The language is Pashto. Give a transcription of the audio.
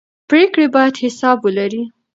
پرېکړې باید حساب ولري